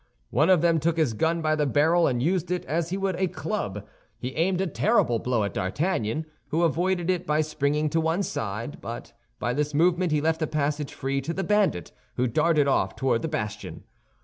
One of them took his gun by the barrel, and used it as he would a club. He aimed a terrible blow at D'Artagnan, who avoided it by springing to one side; but by this movement he left a passage free to the bandit, who darted off toward the bastion.